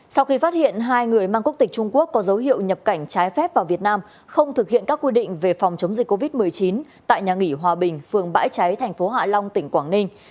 sau khi phát hiện hai người mang quốc tịch trung quốc có dấu hiệu nhập cảnh trái phép vào việt nam không thực hiện các quy định về phòng chống dịch covid một mươi chín tại nhà nghỉ hòa bình phường bãi cháy thành phố hạ long tỉnh quảng ninh